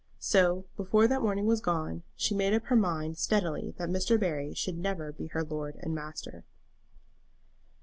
So, before that morning was gone, she made up her mind steadily that Mr. Barry should never be her lord and master.